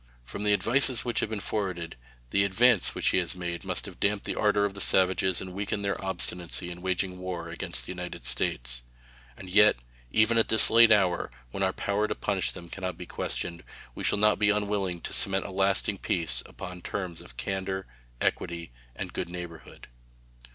From the advices which have been forwarded, the advance which he has made must have damped the ardor of the savages and weakened their obstinacy in waging war against the United States. And yet, even at this late hour, when our power to punish them can not be questioned, we shall not be unwilling to cement a lasting peace upon terms of candor, equity, and good neighborhood.